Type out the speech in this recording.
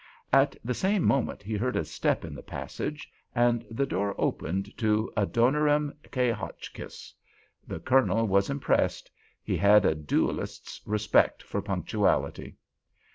At the same moment he heard a step in the passage, and the door opened to Adoniram K. Hotchkiss. The Colonel was impressed; he had a duellist's respect for punctuality.